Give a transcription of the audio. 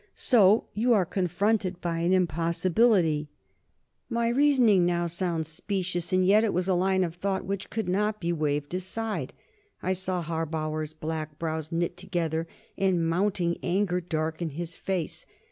So you are confronted by an impossibility!" My reasoning, now, sounds specious, and yet it was a line of thought which could not be waved aside. I saw Harbauer's black brows knit together, and mounting anger darken his face.